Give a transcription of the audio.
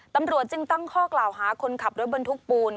ตำรวจจึงตั้งข้อกล่าวหาคนขับรถบรรทุกปูน